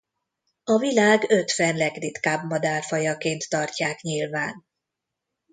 A világ ötven legritkább madárfajaként tartják nyilván.